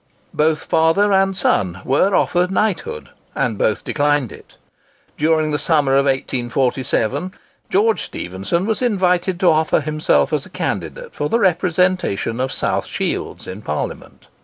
Both father and son were offered knighthood, and both declined it. During the summer of 1847, George Stephenson was invited to offer himself as a candidate for the representation of South Shields in Parliament.